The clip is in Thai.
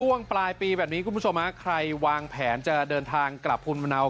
ช่วงปลายปีแบบนี้คุณผู้ชมฮะใครวางแผนจะเดินทางกลับภูมิมะนาว